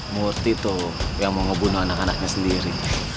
murtih tuh yang mau ngebunuh anak dua nya sendiri